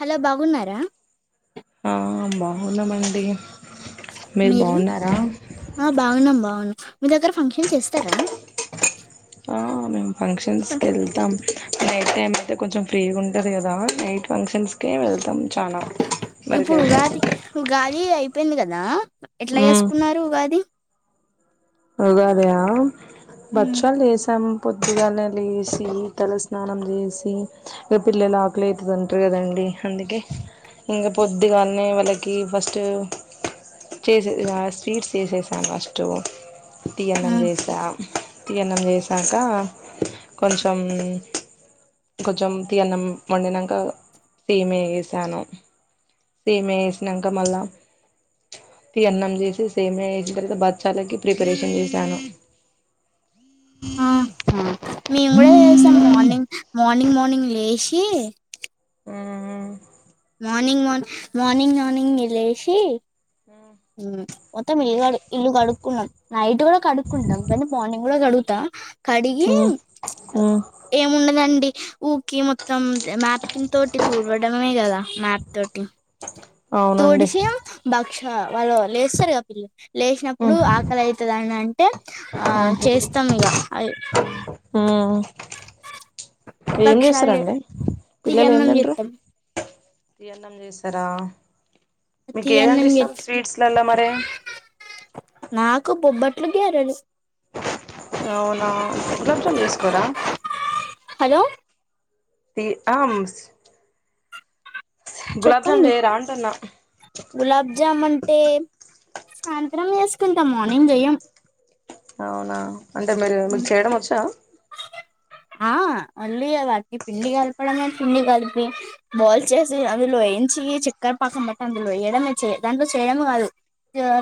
Hello బాగున్నారా ఆ బాగున్నామండి మీరు ఆ బాగున్నాం బాగున్నాం మీ దగ్గర ఫంక్షన్ చేస్తారా ఆ మేమ్ ఫంక్షన్స్కి వెళ్తాం నైట్ టైమ్ అయితే కొంచెం ఫ్రీగా ఉంటది కదా నైట్ ఫంక్షన్స్ కే వెళ్తాం చానా ఇప్పుడు వరకైతే ఉగాది ఉగాది అయ్ అయిపోయింది కదా ఎట్లా ఉమ్ చేసుకున్నారు ఉగాది ఉగాదా ఉమ్, బచ్చల్ చేసాము పొద్దుగాలనే లేచి తల స్నానం చేసి ఈ పిల్లలు ఆకలైతుదంటే రండి అందుకే ఇంకా పొద్దుగాల్నే వాళ్లకి ఫస్టు చేసే ఆ స్వీట్స్ చేసేసాను ఫస్టు టీ అన్నం ఉమ్, చేసా తీ అన్నం చేస్నాకా కొంచెం కొంచెం తీ అన్నం వండినాక సేమ్యా వేసాను సేమ్యా వేస్నాకా మళ్ళా తి అన్నం చేసి సేమ్యా ఎగిన తర్వాత బత్సాలకి ప్రిపరేషన్ చేశాను. ఆ ఆ మేము కూడా చేసాం మార్నింగ్ మార్నింగ్ మార్నింగ్ లేసి ఆ ఆ మార్నింగ్ మనింగ్ మర్నింగ్ మార్నింగే లేసి ఉమ్ మొత్తం [unintelligible] ఇల్లు కడుక్కున్నాం నైట్ కూడా కడుక్కుంటాం కని మార్నింగ్ కూడా కడుగుతా కడిగి ప్చ్ ఆ మ్మ్ ఏముండద్ దండి ఊకి మొత్తం మ్యాప్కిన్ తోటి తూడవడమే కదా మ్యాప్ తోటి అవునండి తోడిష్యం [unintelligible] ఛ వాళ్ళు లేస్తారుగా పిల్లి మ్మ్ లేచినప్పుడు ఆకలి ఐతది అని అన్ ఆ మ్మ్ చేస్తాం ఇగా అయ్ మ్మ్ ఏం చేస్తారండి పిల్లలు ఏమ్ తీయన్నం తింట్రూ చేస్తాం తీ అన్నం చేస్తారా మీకు ఏదంట తీయన్నం ఇష్టం చేస్తాం స్వీట్స్లలా మరి కో బొబ్బట్లు గ్యారెలు అవునా [unintelligible] చేసుకోరా హలో త ఆమ్స్ చెప్పండి గులాబజమన్ సాయంత్రం వేసుకుంటా మార్నింగ్ చెయ్యం అవునా అంటే మీరు మీకు చేయడం వచ్చా ఆ మళ్ళీ కదకి పిండి కలపడమే పిండి కలిపి బాల్ చేసి అది వయించి చిక్కర పక్కన బట్టి అందులో వయడమే దాంట్లో చేయడమే కాదు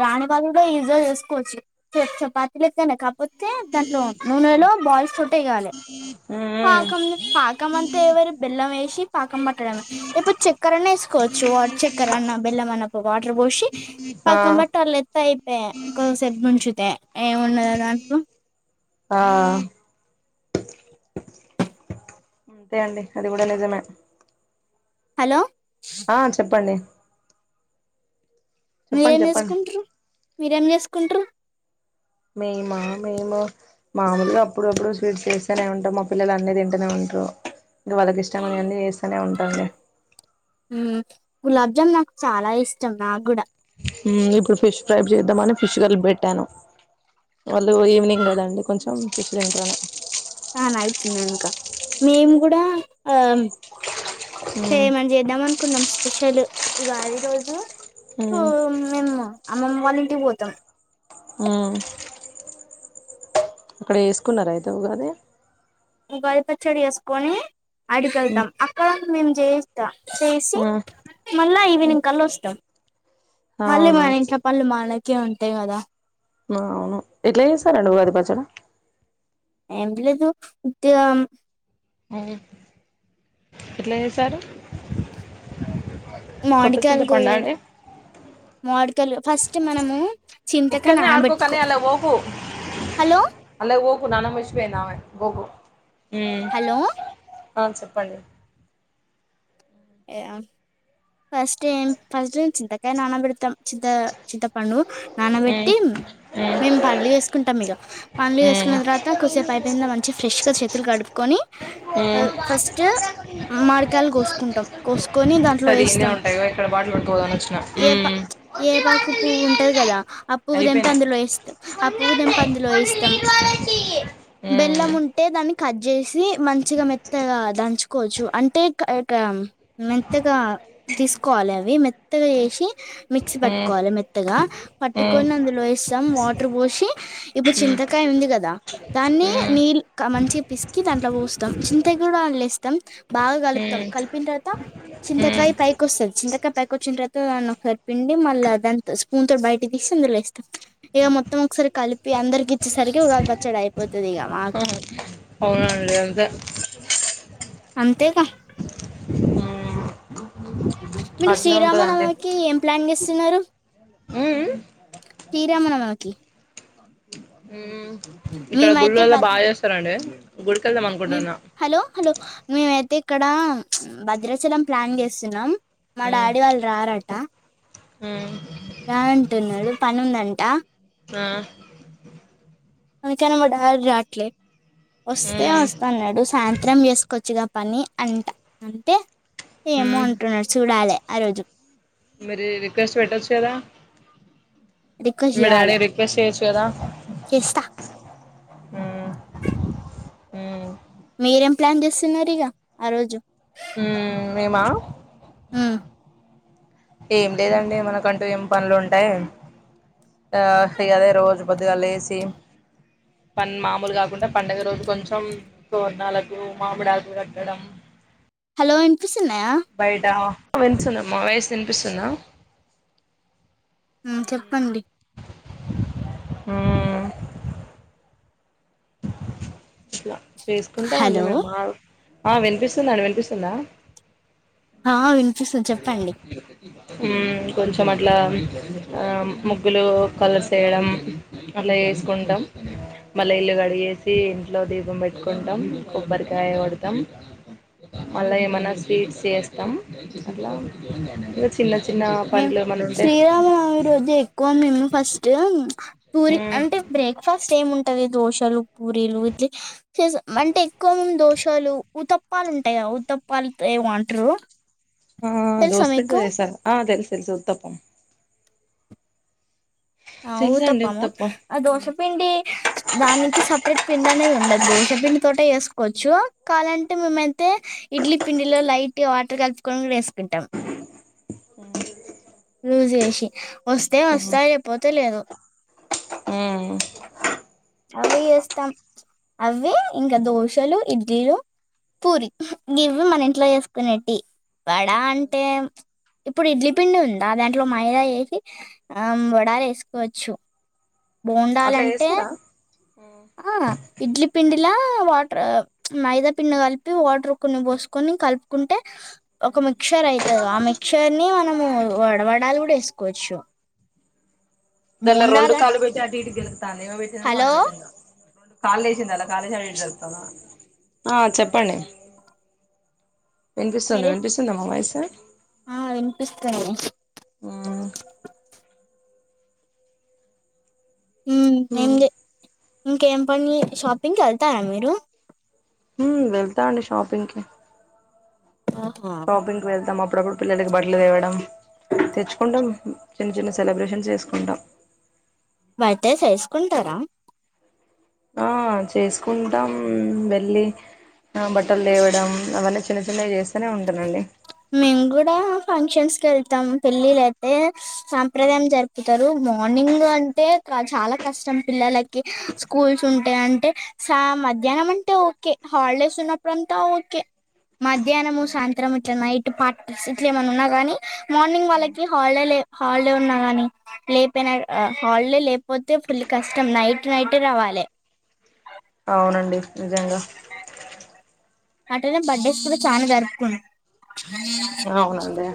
రాని బదులు కూడా ఈజీగా చేసుకోవచ్చు చపాతీలు ఇస్తనే కాకపోతే దా నూనెలో బాల్స్ తట్ వేయాలి మ్మ్ పాకం పాకం అంతా ఎవరి బెల్లం వేసి పాకం పట్టడమే ఇప్పుడు చక్కర అనా వేసుకోవచ్చు వాట చక్కర అన్న బెల్లం అన్నప్పుడు వాటర్ పోసి ఆ పాకం పట్టాలే [unintelligible] ఇక కాసేపు నుంచిుతే ఏము ఉండయి దాంట్లో ఆ అంతే అండి అది కూడా నిజమే హలో ఆ చెప్పండి చెప్పండి మీరేం చెప్పండి వేసుకుంటారు మీరేం చేసుకు చెకుంట్రూ మేమా మేము మామలుగా అప్పుడప్పుడు స్వీట్స్ చేస్తేనే ఉంటాం మా పిల్లలు అన్నీ తింటూనే ఉంటారు ఇంకా వాళ్ళకి ఇష్టం అని అన్నీ చేస్తూనే ఉంటాండి గులాబ్ జామ్ నాకు చాలా ఇష్టం నా కూడా ఇప్పుడు ఫిష్ వేడి చేద్దామని ఫిష్ కర్రీ పెట్టాను వాళ్ళు ఈవినింగ్ కదండి కొంచెం ప్రసిడెట్లోనే అన అవుతున్నానుకా మేము కూడా ఆ ఇంకా మ్మ్ ఏమేమి చేద్దామని కున్నాం స్పెషల్ ఉగాది రోజు మ్మ్ [unintelligible] నిన్న అమ్మమ్మ వాళ్ళ ఇంటికి పోతాం ఆ అక్కడ వేసుకున్నార ఉగాది ఉగాది పచ్చడి చేసుకొని మ్మ్ ఆడికెళ్తాం అక్క నేను జేయిస్తా చేసి మళ్ళా మ్మ్ ఈవినింగ్ కల్లా వస్తాం మల్లి అవునా మన ఇంట్లో పనులు మనకి కే ఉంటాయి కదా అవును ఎట్లా చేస్తారండి ఉగాది పచ్చడి ఆంట్లోకి ఉప్పు వెయ్యం ఎట్లా సార్ మాడికాయలు కోయడు మడి లు ఫస్ట్ మనము చింతకాయ ఇక్కనేే ఆడ్కో కానీ నానబెట్టుకో అలా హలో పోకు నాన్న మషపోయి నావ గగు హలో చెప్పండి ఏ ఫస్ట్ ఫస్ చింతకా నాన్న పెడుత చింత చింత ప నానబెట్టి మేము పన్లు చేేసుకుంటాం ఇక పన్లు చేేసుకున్న తర్వాత కుసేపూ పైపుింద మంచిగా ఫ్రెష్గా చేతులు కడుక్కొని ఫస్ట్ మామిడికాయలు కోసుకుంటాం అ కోసుకొని దాంట్లో వేస్తాం పట్టుకుపోదామని వచ్చిన ఏ ఏ పాకు పువ్వు ఉంటది కదా ఆ పువ్వు తెంపి అందులో వేస్తాం ఆ పువ్వు తెంపి అందులో వేస్తాం బెల్లం అయిపోయినాయి ఉంటే ద కట్ చేసి మంచిగా మెత్తగా దంచుకోవచ్చు అంటే క మెత్తగా తీసుకోవాలి అవి మెత్తగా వేసి మిక్సీ పట్టుకోవాలి మెత్తగా పట్టుకని అందులో వేస్తాం వాటర్ పోసి ఇప్పుడు చింతకాయ ఉంది కదా దాన్ని నీళ్ళు మంచి పిస్కి తంట్లో పోస్తాం చింత కూడా అలేస్తాం బాగా కలుపుతాం కలిపిన తవా చింతకాయ పైకిొస్తుంది చింతకాయ పైకి వచ్చిన తర్వాత దాన్ని ఒకసారి పిండి మళ్ళా దా స్పూన్ తో బయట తీసి అందులో ఇక మొత్తం ఒకసారి కలిపి అందరికి ఇచ్చేసరికి ఉగాది పచ్చాడి అయిపోతుది ఇక మాకు అవునండి అంతే అంతేకా ఉ మీరు శ్రీ రామ నవమి కి ఏం ప్లాన్ చేస్తున్నారు తమన్నా మకి అ ఇక్కడ గుళ్ళుల్ల బాగా చేస్తారండి గుడికి వెళ్దాం మ అనుకుంటున్నా హలో హలో మేమైతే ఇక్కడ భద్రాచలం ప్లాన్ చేస్తున్నాం మా డాడీ వాళ్ళు రారట రాను అంటున్నాడు పని ఉందంట ఆ అందుకనే మా డాడీ రట్లే వస్తే వస్తన్నాడు సాయంత్రం వేసుకోొచ్చుగా పని అంట అంటే ఏమో అంటున్నారు చూడాలి ఆ రోజు మరి రిక్వెస్ట్ పట్టచుగద రిక్వెస్ట్ మీ డాడీ చేయాలి రిక్వెస్ట్ చేయాచుగద చేస్తా ఉ హ మీరేం ప్లాన్ చేస్తున్నారు ఇగ ఆ రోజు ఉహ్ మీమా ఉ ఏం లేదండి మనకంటూ ఏం పనులు ఉంటాయి ఆ ఇ అదే రోజు కొద్దిగా లేసి పం మామూలు కాకుండా పండగ రోజు కొంచెం తోర్ణాలకు మామిడకులు కట్టడం హలో ఎం బయటా విను సున్నామ్మా వయసు నినిపిస్తుున్నా చెప్పండి ఊ అట్లా వేసుకుంటా ఉండి హలో మేము మా ఆ వినిపిస్తుందండి వినిపిస్తుందా ఆ విన్ ఉ కొంచం కొ అట్ల ముగ్గులు కలసేయడం అలా వేసుకుంటాం మళ్ళీ ఇల్లు కడిగేసి ఇంట్లో దీపం పెట్టుకుంటాం కొబ్బరికాయ కొడతాం మళ్ళ ఏమన్నా స్వీట్స్ వేస్తాం అలా చిన్న మేం పనులు ఏమైనా ఉంటే శ్రీరామనవమి రోజు ఎక్కువంది మేము ఫస్ట్ పూరి అంటే బ్రేక్ఫాస్ట్ స్ ఏం ఉంటది దోశలు పూరీలు ఇట్ా అంటే ఎక్కువ దోశాలు ఉ తప్పాలు ఉంటాయిదా ఉ తప్పాలుతో ఏ వాంటరు ఆ దోసపడ్ ద చేసార్ అదల్ తెలు చతప్పం ఆ ఊ తప్పము ఉత్తప్పం ఆ దోశపిడి దానికి సపరేట్ పిండి అనేది ఉండదు దోశపిిండి తోట వేసుకో కోవచ్చు కావాలంటే మేముైతే ఇడ్లీ పిండిలో లైట్ వాటర్ కలుపుకొని వేసుకుంటాం రూజ అసి వస్తే మ్మ్ వస్తా లేపోతే లేదు అవి చేస్తాం అవి ఇంకా దోశలు ఇడ్లీలు పూరి ఇవి ఇవి మన ఇంట్లో వసుకునేట్టి వడ అంటే ఇప్పుడు ఇడ్లీ పిండి ఉందా దాంట్లో మైదా వేసి ఆ వడాలు వేసుకోవచ్చు అట్లా బండాలంటే చేస్తారా ఆ ఇడ్లి పండి ఇలా వాటర్ మైదా పిండి కలిపి వాటర్ కొన్ని పోసుకొని కలుపుకుంటే ఒక మిక్చర్ అవుతుంది ఆ మిక్చర్ ని మనము వడవడాలు కూడా వేసుకోవచ్చు ఇదల్ రెండు బోండాల కాలు బేట అది హ ఇగి తనిీమ పెట్టిింద వాన హలో పెట్టింద కళ చేసింది అలా కాళతాను ఆ చెప్పండి వెంక చంది మీరే వెంక చంద అమ్మైసు ఆ. ఆ వినిపిస్తంది. మ్మ్ ఉమ్ మ్మ్ ఏందే. ఇంకేం పని షాపింగ్కెల్తారా మీరు. ఉమ్ వెళ్తా అండి షాపింగ్ కి. ఆహా. షాపింగ్కి వెళ్దామ అప్పుడప్పుడు పిల్లలకి బట్లు తేవడం తెచ్చుకుంటాం చిన్న చిన్న సెలబ్రేషన్స్ చేసుకుంటాం బాధే చేస్కుంటారా ఆ చేస్కుంటాం వెళ్లి బట్టల్ దేవడం అవన్నీ చిన్న చిన్నవి జేస్తనే ఉంటనండి మేము కూడా ఫంక్షన్స్ కెళ్తాం పెళ్ళిలయితే సంప్రదాయం జరిపి తరు మార్నింగ్ అంటే చాలా కష్టం పిల్లలకి స్కూల్స్ ఉంటే అంటే సా మధ్యాహ్నం అంటే ఓకే హాల్డేస్ ఉన్నప్పుడంతా ఓకే మధ్యాహ్నము సాయంత్రం ఇట్లా నైట్ పార్టీస్ ఇట్లా ఏమైన్నా ఉన్నా కాని ఇట్లా ఇట్లా నైట్ పార్ట్స్ ఇట్లా ఎమనునాగాని మార్నింగ్ వాళ్ళకి హాల్డే లె హాల్డే ఉన్నా గాని లేపిన హాల్డే లేపోతే ఫుల్ కష్టం నైట్ నైట్ రావాలె అవునండి నిజంగా అట్టనే బర్డేస్ కూడా చానా జరుపుకున్ అవునండి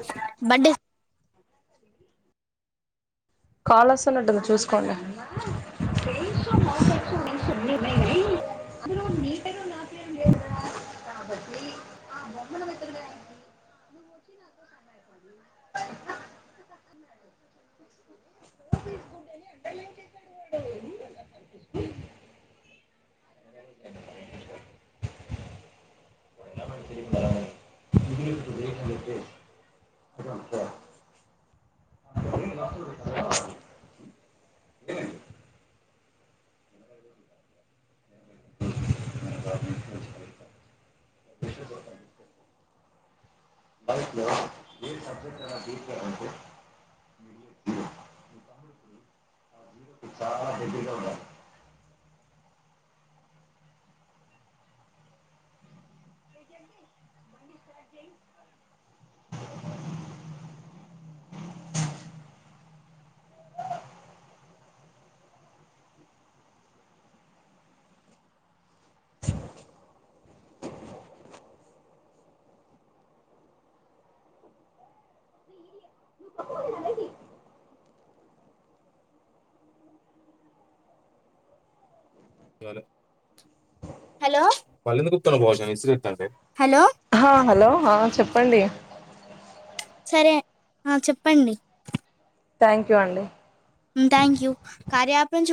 బర్త్డే కాల్ వస్సున్నట్టుంది చూస్కోండి [unintelligible] [inaudible] ే [inaudible] చ [unintelligible] నక్ జెయ్ ప్పు హలో హలో హ హలో ఆ చెప్పండి సరే ఆ చెప్పండి థ్యాంక్ యూ అండి హ్మ్ థ్యాంక్ యూ కార్య అప్ నుంచు